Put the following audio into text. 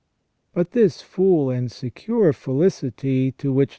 But this full and secure felicity, to which * S.